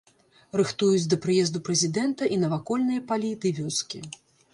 Рыхтуюць да прыезду прэзідэнта і навакольныя палі ды вёскі.